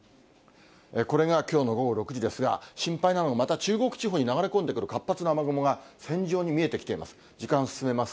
これが、きょうの午後６時ですが、心配なのはまた中国地方に流れ込んでくる活発な雨雲が線状に見えてきています。